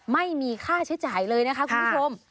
ไม่มีค่าใช้จ่ายเลยนะคะคุณผู้ชม